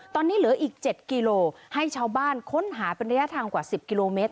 ตอนนี้เหลืออีก๗กิโลให้ชาวบ้านค้นหาเป็นระยะทางกว่า๑๐กิโลเมตร